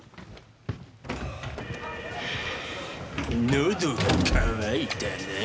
のどが渇いたなぁ。